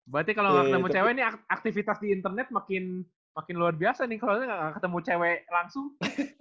berarti kalo gak ketemu cewek nih aktivitas di internet makin luar biasa nih kalo gak ketemu cewek langsung